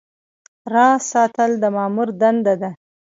راز ساتل د مامور دنده ده